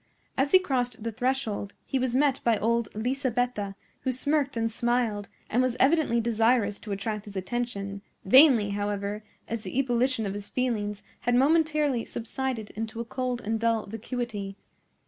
As he crossed the threshold he was met by old Lisabetta, who smirked and smiled, and was evidently desirous to attract his attention; vainly, however, as the ebullition of his feelings had momentarily subsided into a cold and dull vacuity.